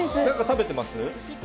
食べてます。